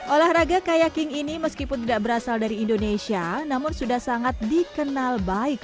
olahraga kayak king ini meskipun tidak berasal dari indonesia namun sudah sangat dikenal baik